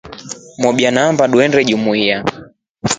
Mobya naamba tuinde jumuiya.